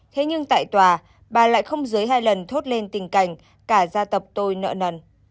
thế nhưng tại tòa bà lại không dưới hai lần thốt lên tình cảnh cả gia tập tôi nợ nần